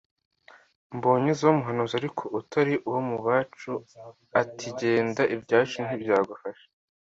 mbonye uzaba umuhanuzi ariko utari uwo mu bacu ati genda ibyacu ntibyagufata